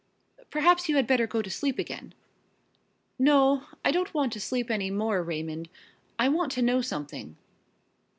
"Perhaps you had better go to sleep again." "No, I don't want to sleep any more, Raymond. I want to know something."